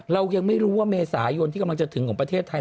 เรายังไม่รู้ว่าเมษายนที่กำลังจะถึงของประเทศไทย